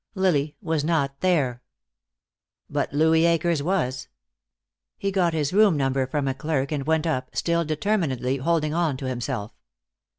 Lily was not there. But Louis Akers was. He got his room number from a clerk and went up, still determinedly holding on to himself.